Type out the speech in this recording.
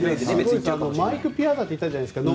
マイク・ピアザっていたじゃないですか。